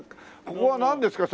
ここはなんですか？